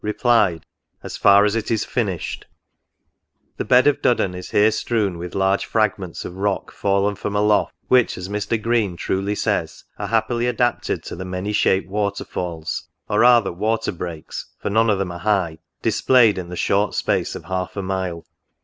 replied, " As far as it is finished T NOTES. 47 The bed of the Duddon is here strewn with large frag ments of rock fallen from aloft ; which, as Mr. Green truly says, " are happily adapted to the many shaped water falls," (or rather water breaks, for none of them are high,) " dis played in the short space of half a mile."